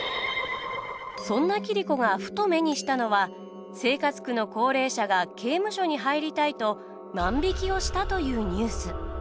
そんな桐子がふと目にしたのは生活苦の高齢者が刑務所に入りたいと万引きをしたというニュース。